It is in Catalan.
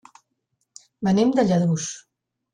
Venim de Lladurs.